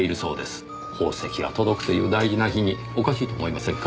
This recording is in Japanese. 宝石が届くという大事な日におかしいと思いませんか？